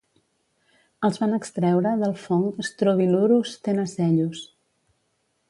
Els van extreure del fong "strobilurus tenacellus".